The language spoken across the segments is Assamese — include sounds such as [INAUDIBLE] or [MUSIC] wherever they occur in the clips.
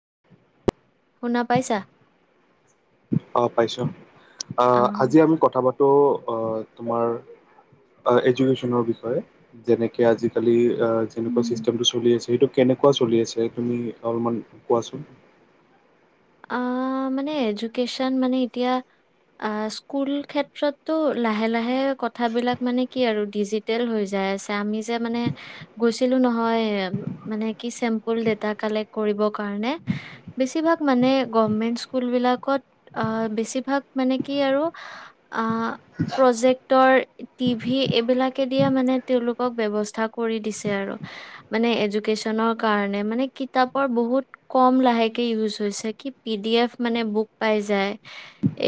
[INAUDIBLE] শুনা পাইচা? অ পাইছো? আহ আজি আমি কথা পাতো অহ। তোমাৰ এজুকেচনৰ বিষয়ে যেনেকে আজিকালি। অ যেনেকুৱা উম। চিষ্টেমটো চলি আছে সেইটো। কেনেকুৱা চলি আছে তুমি অলপমান কোৱাচোন। মানে এজুকেচন মানে এতিয়া স্কুল ক্ষেত্ৰতটো লাহে লাহে কথাবিলাক মানে কি আৰু ডিজিটেল হৈ যাই আছে আমি যে মানে গৈছিলো নহয় মানে কি চেম্পুল ডেটা কালেক্ট কৰিবৰ কাৰণে বেছিভাগ। মানে গমেন্ট স্কুল বিলাকত বেছিভাগ মানে কি আৰু প্ৰজেক্টৰ টিভি এইবিলাকে দিয়ে মানে তেওঁলোকক বৱস্থা কৰি দিছে আৰু মানে এজুকেচনৰ কাৰণে মানে কিতাপৰ বহুত কম লাহে। লৈছে কি পি দি এফ মানে বুক পায় যায়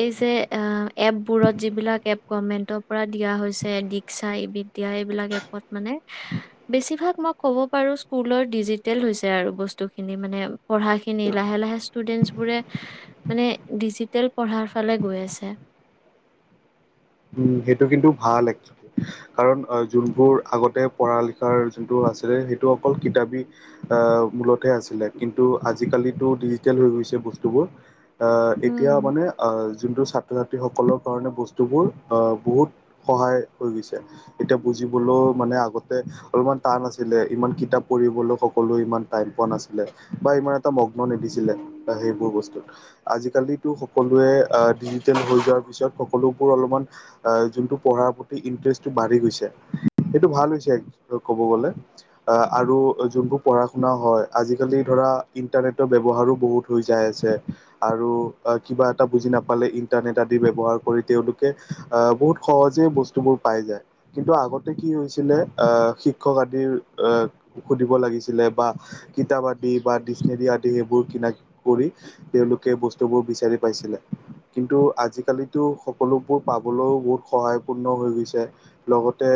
এই যে এ এপ বোৰত যিলাক এপ গৰমেণটৰ পৰা দিয়া হৈছে দিকচা এবিদ্যা সেইবিলাক এপত মানে বেছিভাগ মই কব পাৰো স্কুলৰ ডিজিটেল হৈছে আৰু বস্তু খিনি মানে পঢ়া খিনি লাহে লাহে। ষ্টুডেন্টছ বোৰে মানে ডিজিটেল পঢ়াৰ ফালে গৈ আছে? উ সেইটো কিন্তু ভাল একি কাৰণ যোনবোৰ আগতে পঢ়া লিখাৰ যোনটো আছিলে সেইটো অকল কিতাপী আহ মূলতহে আছিলে কিন্তু আজিকালি টো ডিজিটেল হৈ গৈছে বস্তুবোৰ। এতিয়া উম। মানে যোনটো ছাত্ৰ ছাত। সকলৰ কাৰণে বস্তুবোৰ। বহুত সহায় হৈ গৈছে এতিয়া বুজিবলৈও মানে আগতে অলপমান টান আছিলে ইমান কিতাপ পঢ়িবলৈ সকলোৱে ইমান টাইম পোৱা নাছিলে বা ইমান এটা মগ্ন নিদিছিলে সেইবোৰ বস্তুত আজিকালিটো সকলোৱে ডিজিটেল হৈ যোৱাৰ পিছত সকলোবোৰ অলপমান। যোনটো পঢ়াৰ প্ৰতি ইণ্টাৰেষ্টটো বাঢ়ি গৈছে সেইটো ভাল হৈছে কব গলে আহ আৰু যোনবোৰ পঢ়া শুনা হয় আজিকালি ধৰা ইণ্টাৰনেটৰ ব্যৱহাৰো বহুত হৈ যাই আছে আৰু কিবা এটা বুজি নাপালে ইণ্টাৰনেট আদি ব্যৱহাৰ কৰি তেওঁলোকে? আহ বহুত সহজেই বস্তুবোৰ পাই যায় কিন্তু আগতে কি হৈছিলে আহ শিক্ষক আদি আহে সুধিব লাগিছিলে বা কিতাপ আদি বা ডিক্চনেৰী আদি সেইবোৰ কিন কৰি তেওঁলোকে বস্তুবোৰ বিচাৰি পাইছিলে কিন্তু আজিকালিতো সকলোবোৰ। পাবলৈও বহুত সহায় পূৰ্ণ হৈ গৈছে লগতে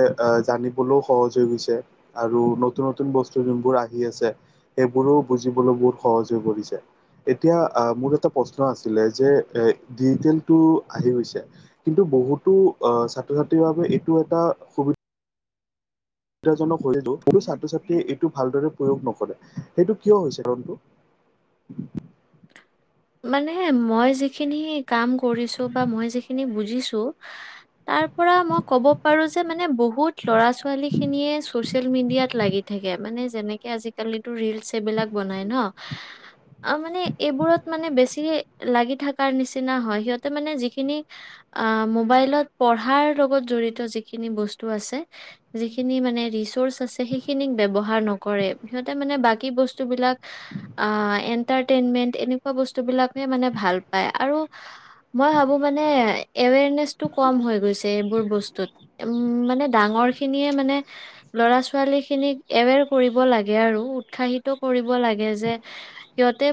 জানিবলৈও সহজ হৈ গৈছে আৰু নতুন নতুন বস্তু যোনবোৰ আহি আছে সেইবোৰো বুজিবলৈ বহুত সহজ হৈ পৰিছে এতিয়া আহে মোৰ এটা প্ৰশ্ন আছিলে যে এ ডিজিটেলটো আহি গৈছে? কিন্তু বহুতো আহ ছাত্ৰ ছাত্ৰীৰ বাবে এইটো এটা সুবিধা। সুবিধাজনক হৈ কোনো ছাত্ৰ ছাত্ৰীয়ে এইটো ভালদৰে প্ৰয়োগ নকৰে সেইটো কিয় হৈছে ৰনটো। মানে মই যিখিনি কাম কৰিছো বা মই যিখিনি বুজিছো, তাৰ পৰা মই কব পাৰো যে মানে বহুত লৰা ছোৱালী খিনিয়ে ছচিয়েল মিডিয়াত লাগি থাকে। মানে যেনেকে আজিকালিটো ৰিলচ এইবিলাক বনাই ন? অ মানে এইবোৰত বেছি লাগি থকাৰ নিচিনা হয়, সিহঁতে মানে যিখিনি আহ মোবাইলত পঢ়াৰ লগত জড়িত যিখিনি বস্তু আছে যিখিনি মানে ৰিচৰ্চ আছে সেইখিনিক ব্যৱহাৰ নকৰে সিহঁতে মানে বাকী বস্তুবিলাক আ এ ইণ্টাটেইনমেণ্ট এনেকুৱা বস্তুবিলাকে মানে ভাল পায়। আৰু মই ভাবো মানে এৱেৰনেচটো কম হৈ গৈছে এইবোৰ বস্তুত। উম মানে ডাঙৰ খিনিয়ে মানে ল'ৰা ছোৱালী খিনিক এৱেৰ কৰিব লাগে আৰু উৎসাহিত কৰিব লাগে যে, সিহঁতে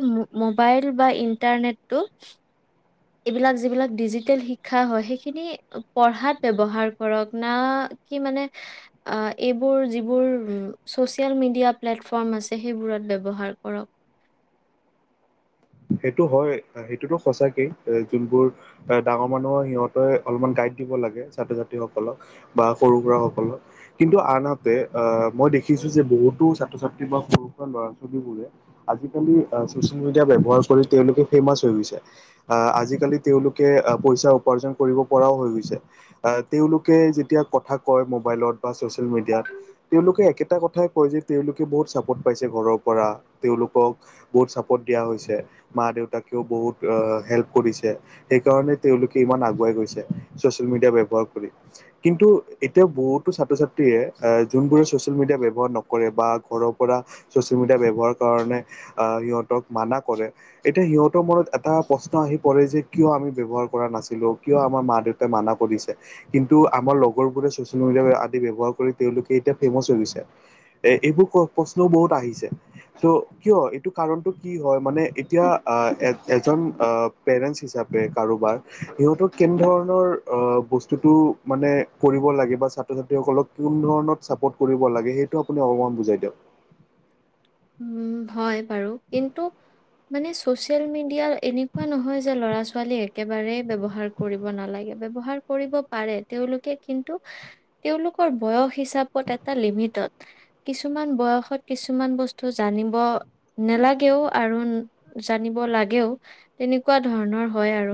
মোবাইল বা ইণ্টাৰনেটটো, এইবিলাক যিবিলাক ডিজিটেল শিক্ষা হয় সেইখিনি পঢ়াত ব্যৱহাৰ কৰক, না কি মানে এইবোৰ যিবোৰ ছচিয়েল মিডিয়া প্লেটফৰ্ম আছে সেইবোৰত ব্যৱহাৰ কৰক। সেইটো হয়, সেইটোতো সচাকেই যোনবোৰ ডাঙৰ মানুহৰ সিহঁতে অলপমান গাইড দিব লাগে ছাত্ৰ ছাত্ৰী সকলক, বা সৰু হোৱা সকলক কিন্তু আনহাতে আহ মই দেখিছো যে বহুতো ছাত্ৰ ছাত্ৰী বা সৰু হোৱা ল'ৰা ছোৱালী বোৰে আজিকালি চচিয়েল মিডিয়া ব্যৱহাৰ কৰি তেওঁলোকে ফেমাচ হৈ গৈছে। আজিকালি তেওঁলোকে পইচা উপাৰ্জন কৰিব পৰাও হৈ গৈছে। তেওঁলোকে যেতিয়া কথা কয় মোবাইলত বা ছচিয়েল মিডিয়াত, তেওঁলোকে একেটা কথাই কয় যে তেওঁলোকে বহুত চাপোৰ্ট পাইছে ঘৰৰ পৰা তেওঁলোকক বহুত চাপোৰ্ট দিয়া হৈছে। মা দেউতাকেও বহুত হেল্প কৰিছে, সেইকাৰণে তেওঁলোকে ইমান আগুৱাই গৈছে, ছচিয়েল মিডিয়া ব্যৱহাৰ কৰি। কিন্তু এতিয়া বহুতো ছাত্ৰ ছাত্ৰীয়ে যোনবোৰে ছচিয়েল মিডিয়া ব্যৱহাৰ নকৰে বা ঘৰৰ পৰা ছচিয়েল মিডিয়া ব্যৱহাৰৰ কাৰণে সিহঁতক মানা কৰে, এতিয়া সিহঁতৰ মনত এটা প্ৰশ্ন আহি পৰে যে কিয় আমি ব্যৱহাৰ কৰা নাছিলো, কিয় আমাৰ মা দেউতাই মানা কৰিছে, কিন্তু আমাৰ লগৰ বোৰে ছচিয়েল মিডিয়া আদি ব্যৱহাৰ কৰি তেওঁলোকে এতিয়া ফেমাচ হৈ গৈছে। এ এইবোৰ প্ৰশ্নও বহুত আহিছে। ত কিয় এইটো কাৰণটো কি হয় মানে, এতিয়া এ এজন পেৰেন্ট হিচাপে কাৰোবাৰ সিহঁতক কেনে ধৰণৰ আহ বস্তুটো মানে কৰিব লাগে বা ছাত্ৰ ছাত্ৰীসকলক কোন ধৰণত চাপৰ্ট কৰিব লাগে সেইটো আপুনি অকমান বুজাই দিয়ক। উম হয় বাৰু, কিন্তু মানে চচিয়েল মিডিয়া এনেকুৱা নহয় যে ল'ৰা ছোৱালী একেবাৰে ব্যৱহাৰ কৰিব নালাগে। ব্যৱহাৰ কৰিব পাৰে তেওঁলোকে কিন্তু তেওঁলোকৰ বয়স হিচাপত এটা লিমিটত কিছুমান বয়সত কিছুমান বস্তু। জানিব নালাগেও, আৰু জানিব লাগেও তেনেকুৱা ধৰণৰ হয় আৰু।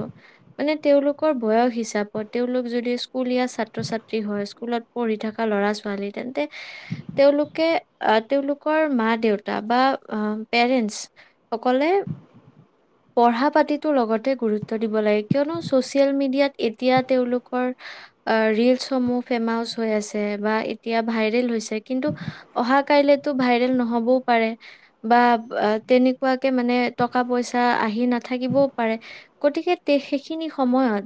মানে তেওঁলোকৰ বয়স হিচাপত তেওঁলোক যদি স্কুলীয়া ছাত্ৰ ছাত্ৰী হয় স্কুলত পঢ়ি থকা ল'ৰা ছোৱালী তেন্তে তেওঁলোকে আহ তেওঁলোকৰ মা দেউতা বা পেৰেণ্টছ সকলে পঢ়া পাতিটো লগতে গুৰুত্ব দিব লাগে। কিয়নো চচিয়েল মিডিয়াত এতিয়া তেওঁলোকৰ আহ ৰিলচ সমূহ ফেমাচ হৈ আছে বা এতিয়া ভাইৰেল হৈছে কিন্তু অহা কাইলেতো ভাইৰেল নহ'বও পাৰে, বা তেনেকুৱাকে মানে টকা পইচা আহি নাথাকিবও পাৰে, গতিকে সেইখিনি সময়ত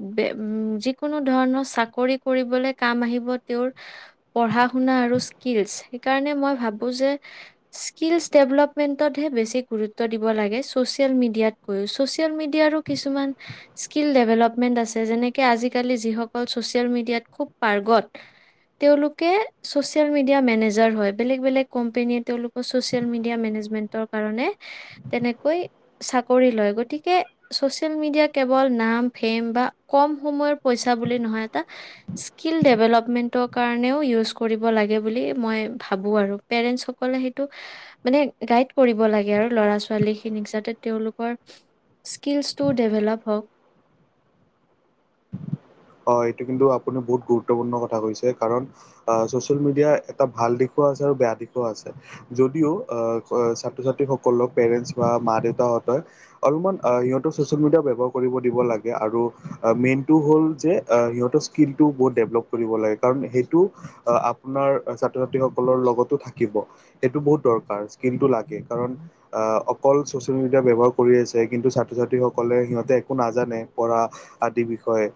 যিকোনো ধৰণৰ চাকৰি কৰিবলে কাম আহিব তেওঁৰ পঢ়া শুনা আৰু স্কিলচ সেইকাৰণে মই ভাবো যে স্কিলছ ডেভেলপমেণ্টতহে বেছি গুৰুত্ব দিব লাগে। ছচিয়েল মিডিয়াতকৈও, ছচিয়েল মিডিয়াৰো কিছুমান স্কিল ডেভেলপমেণ্ট আছে যেনেকে আজিকালি যিসকল ছচিয়েল মিডিয়াত খুব পাৰ্গত। তেওঁলোকে ছচিয়েল মিডিয়া মেনেজাৰ হয় বেলেগ বেলেগ কোম্পেনীয়ে তেওঁলোক ছচিয়েল মিডিয়া মেনেজমেন্টৰ কাৰণে তেনেকৈ চাকৰি লয়। গতিকে চচিয়েল মিডিয়া কেৱল নাম ফেম বা কম সময়ৰ পইচা বুলি নহয় এটা স্কিল ডেভেলপমেন্টৰ কাৰণেও ইউজ কৰিব লাগে বুলি মই ভাবো আৰু পেৰেণ্টছসকলে এইটো মানে গাইড কৰিব লাগে আৰু ল'ৰা ছোৱালীখিনিক যাতে তেওঁলোকৰ স্কিলচটো ডেভেলপ হওঁক। অ এইটো কিন্তু আপুনি বহুত গুৰুত্বপূৰ্ণ কথা কৈছে। কাৰণ ছ'চিয়েল মিডিয়া এটা ভাল দিশো আছে আৰু বেয়া দিশো আছে। যদিও ছাত্ৰ ছাত্ৰীসকলক পেৰেণ্টছ বা মা দেউতাহঁতেই অলপমান সিহঁতক ছ'চিয়েল মিডিয়া ব্যৱহাৰ কৰিব দিব লাগে, আৰু মেইনটো হ'ল যে সিহঁতৰ স্কিলটো বহুত ডেভেলপ কৰিব লাগে। কাৰণ সেইটো আপোনাৰ ছাত্ৰ ছাত্ৰীসকলৰ লগতো থাকিব সেইটো বহুত দৰকাৰ স্কিলটো লাগে কাৰণ অকল ছ'চিয়েল মিডিয়া ব্যৱহাৰ কৰি আছে কিন্তু ছাত্ৰ ছাত্ৰীসকলে সিহঁতে একো নাজানে পঢ়া আদিৰ বিষয়ে। এ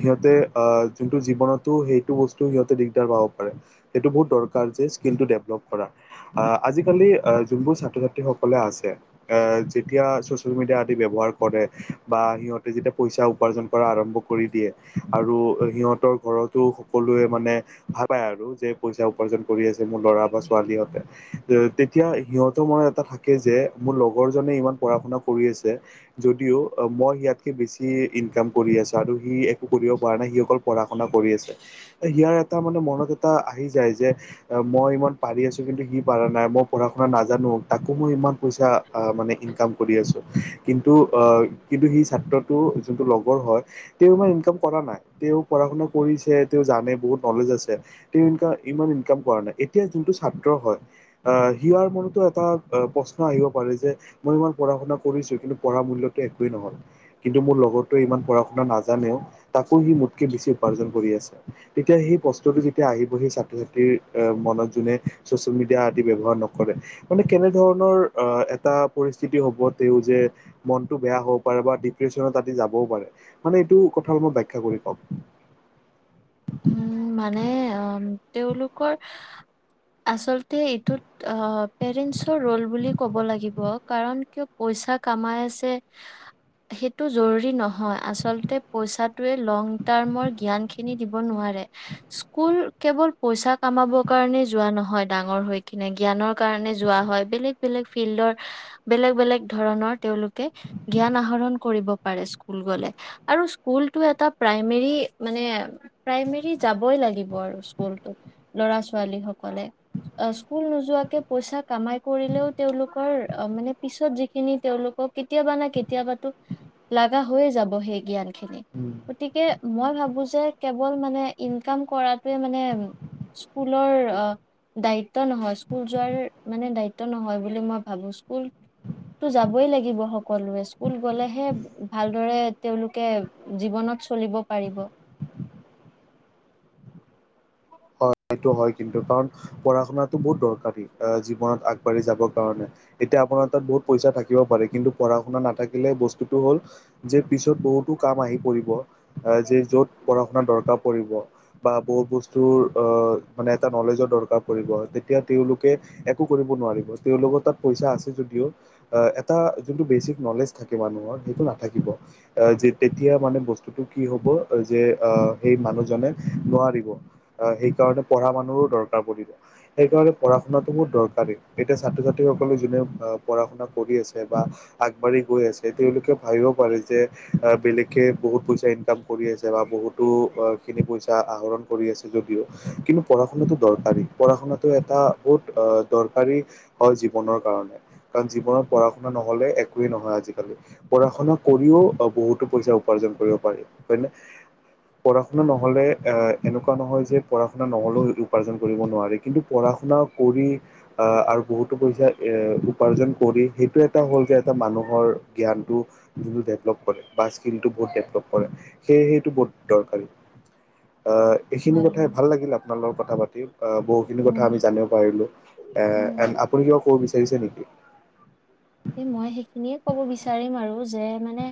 সিহঁতে আহ যোনটো জীৱনতো সেইটো বস্তু সিহঁতে দিগদাৰ পাব পাৰে। সেইটো বহুত দৰকাৰ যে স্কিলটো ডেভলপ কৰা। আহ আজিকালি যোনবোৰ ছাত্ৰ ছাত্ৰী সকলে আছে এ যেতিয়া চচিয়েল মিডিয়া আদি ব্যৱহাৰ কৰে বা সিহঁতে যেতিয়া পইচা উপাৰ্জন কৰা আৰম্ভ কৰি দিয়ে আৰু সিহঁতৰ ঘৰতো সকলোৱে মানে ভাল পায় আৰু যে পইচা উপাৰ্জন কৰি আছে মোৰ ল'ৰা বা ছোৱালীহতে এতিয়া সিহঁতৰ মন এটা থাকে যে মোৰ লগৰজনে ইমান পঢ়া শুনা কৰি আছে যদিও মই ইয়াতকে বেছি ইনকাম কৰি আছো। আৰু সি একো কৰিব পৰা নাই, সি অকল পঢ়া শুনা কৰি আছে। সিয়াৰ এটা মানে মনত এটা আহি যায় যে মই ইমান পাৰি আছো কিন্তু সি পাৰা নাই মই পঢ়া শুনা নাজানো তাকো মই ইমান পইচা মানে ইনকাম কৰি আছো। কিন্তু কিন্তু সি ছাত্ৰটো যোনটো লগৰ হয়। তেওঁ ইমান ইনকাম কৰা নাই। তেওঁ পঢ়া শুনা কৰিছে তেওঁ জানে বহুত নলেজ আছে তেওঁ এনেইও ইমান ইনকাম কৰা নাই। এতিয়া যোনটো ছাত্ৰ হয় আহ সিয়াৰ মনতো এটা প্ৰশ্ন আহিব পাৰে যে মই ইমান পঢ়া শুনা কৰিছো কিন্তু পঢ়া মূল্যটো একোৱে নহল। কিন্তু মোৰ লগতে ইমান পঢ়া আ নাজানেও তাকো সি মোতকে বেছি উপাৰ্জন কৰি আছে তেতিয়া সেই বস্তুটো যেতিয়া আহিব সি ছাত্ৰ ছাত্ৰীৰ মনত যোনে চচিয়েল মিডিয়া আদি ব্যৱহাৰ নকৰে। মানে কেনেধৰণৰ আহ এটা পৰিস্থিতি হ'ব তেওঁ যে মনটো বেয়া হ'ব পাৰে বা ডিপ্ৰেশচনত আদি যাবও পাৰে। মানে এইটো কথাৰ মই ব্যাখ্যা কৰি কম। উম মানে তেওঁলোকৰ আচলতে এইটোত পেৰেণ্টছৰ ৰোল বুলি ক'ব লাগিব। কাৰণ কিয় পইচা কামাই আছে সেইটো জৰুৰী নহয় আচলতে পইচটোৱে লং টাৰ্মৰ জ্ঞানখিনিত দিব নোৱাৰে। স্কুল কেৱল পইচা কামাবৰ কাৰণে যোৱা নহয় ডাঙৰ হৈ কিনে জ্ঞানৰ কাৰণে যোৱা হয়, বেলেগ বেলেগ ফিল্ডৰ বেলেগ বেলেগ ধৰণৰ তেওঁলোকে জ্ঞান আহৰণ কৰিব পাৰে স্কুল গলে। আৰু স্কুলতো এটা প্ৰাইমেৰী মানে প্ৰাইমেৰী যাবই লাগিব আৰু স্কুলতো ল'ৰা ছোৱালী সকলে। স্কুল নোযোৱাকে পইচা কামাই কৰিলেও তেওঁলোকৰ মানে পিছত যিখিনি তেওঁলোকক কেতিয়াবা না কেতিয়াবা লগা হৈয়ে যাব সেই জ্ঞান খিনি গতিকে মই ভাবো যে কেৱল মানে ইনকাম কৰাটোৱে মানে স্কুলৰ দায়িত্ব নহয় স্কুল যোৱাৰ মানে দায়িত্ব নহয় বুলি মই ভাবো। স্কুলতো যাবই লাগিব সকলোৱে স্কুল গলেহে ভালদৰে তেওঁলোকে জীৱনত চলিব পাৰিব। হয় সেইটো হয় কিন্তু, কাৰণ পঢ়া শুনাটো বহুত দৰকাৰী জীৱনত আগবাঢ়ি যাবৰ কাৰণে। এতিয়া আপোনাৰ তাত বহুত পইচা থাকিব পাৰে কিন্তু পঢ়া শুনা নাথাকিলে বস্তুতটো হল যে পিছত বহুতো কাম আহি পৰিব যে য'ত পঢ়া শুনা দৰকাৰ পৰিব বা বহুত বস্তু তো মানে এ নলেজৰ দৰকাৰ পৰিব তেতিয়া তেওঁলোকে একো কৰিব নোৱাৰিব। তেওঁলোকৰ তাত পইচা আছে যদিও এটা যোনটো বেচিক নলেজ থাকিব মানুহৰ সেইটো নাথাকিব। তেতিয়া মানে বস্তুটো কি হ'ব যে সেই মানুহজনে নোৱাৰিব। সেই কাৰণে পঢ়া মানো দৰকাৰ পৰিব। সেইকাৰণে পঢ়া শুনাটো বহুত দৰকাৰী এতিয়া ছাত্ৰ ছাত্ৰীসকলে যোনে পঢ়া শুনা কৰি আছে বা আগবাঢ়ি গৈ আছে তেওঁলোকে ভাবিব পাৰে যে বেলেগে বহুত পইচা ইনকাম কৰি আছে বা বহুতো খিনি পইচা আহৰণ কৰি আছে। যদিও কিন্তু পঢ়া শুনাটো দৰকাৰী পঢ়া শুনাটো এটা বহুত দৰকাৰী হয় জীৱনৰ কাৰণে। কাৰণ জীৱনত পঢ়া শুনা নহলে একোৱেই নহয় আজিকালি। পঢ়া শুনা কৰিও বহুতো পইচা উপাৰ্জন কৰিব পাৰি। হয় নে পঢ়া শুনা নহলে এনেকুৱা এনেকুৱা নহয় যে পঢ়া শুনা নহ'লেও উপাৰ্জন কৰিব নোৱাৰে, কিন্তু পঢ়া শুনা কৰি আৰু বহুতো পইচা উপাৰ্জন কৰি সেইটো এটা হ'ল যে এটা মানুহৰ জ্ঞানটো যোনটো ডেভেলপ কৰে বা স্কিলটো বহুত ডেভেলপ কৰে সেয়ে সেইটো বহুত দৰকাৰী। এইখিনি হয় কথাই ভাল লাগিল আপোনাৰ লগত কথা পাতি তে [UNINTELLIGIBLE] অ বহুখিনি কথা উম আমি জানিব পাৰিলোঁ। এ উম আপুনি কিব ক'ব বিচাৰে? ৰিছে নেকি? মই সেইখিনিয়ে ক'ব বিচাৰিম আৰু যে মানে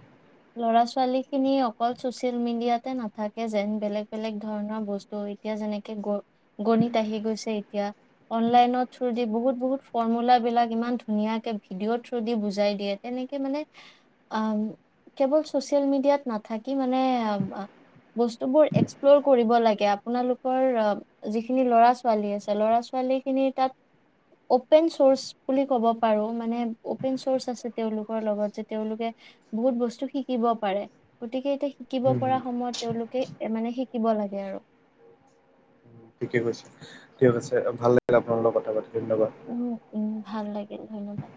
ল'ৰা ছোৱালী খিনি অকল চচিয়েল মিডিয়াতে নাথাকে যেন বেলেগ বেলেগ ধৰণৰ বস্তু এতিয়া যেনেকে গ গণিত আহি গৈছে এতিয়া অনলাইনৰ থ্ৰু দি বহুত বহুত ফৰ্মুলা বিলাক ইমান ধুনীয়াকে ভিডিঅ' থ যদি বুজায় দিয়ে তেনেকে মানে কেৱল চচিয়েল মিডিয়াত নাথাকি মানে বস্তুবোৰ এক্সপ্লৰ কৰিব লাগে আপোনালোকৰ যিখিনি লৰা ছোৱালী আছে ল'ৰা ছোৱালীখিনি তাত অপেন চোৰ্চ বুলি ক'ব পাৰো মানে। অপেন চোৰ্চ আছে তেওঁলোকৰ লগত যে তেওঁলোকে বহুত বস্তু শিকিব পাৰে গতিকে এতিয়া। শিকিব পৰা সময়ত তেওঁলোকে? মানে শিকিব লাগে আৰু। ঠিকে কৈছে ঠিক আছে ভাল লাগিলে আপোনাৰ লগত কথা পাতি। ধন্যবাদ উম উম ভাল লাগিল ধন্যবাদ?